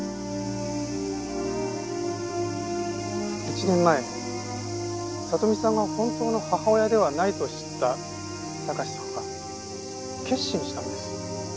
１年前里美さんは本当の母親ではないと知った貴史さんは決心したんです。